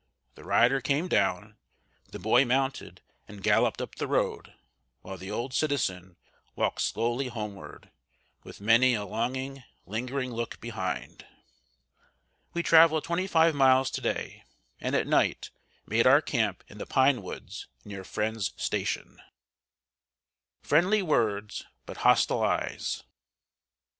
The rider came down, the boy mounted and galloped up the road, while the old citizen walked slowly homeward, with many a longing, lingering look behind. We traveled twenty five miles to day, and at night made our camp in the pine woods near Friend's Station. [Sidenote: FRIENDLY WORDS BUT HOSTILE EYES.